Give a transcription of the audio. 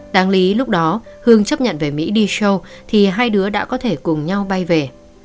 đáng lý lúc đó hương chấp nhận về mỹ đi sâu thì hai đứa đã có thể cùng nhau bay về